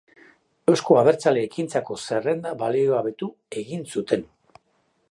Eusko Abertzale Ekintzako zerrenda baliogabetu egin zuten.